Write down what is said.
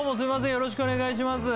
よろしくお願いします。